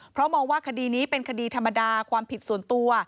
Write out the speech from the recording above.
เพราะมองว่าคดีนี้เป็นคดีธรรมดาความผิดส่วนตัว